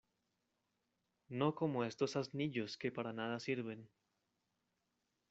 No como estos asnillos que para nada sirven.